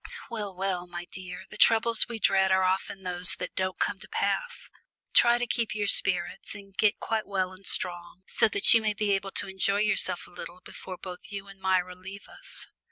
"Well, well, my dear, the troubles we dread are often those that don't come to pass. Try to keep up your spirits and get quite well and strong, so that you may be able to enjoy yourself a little before both you and Myra leave us."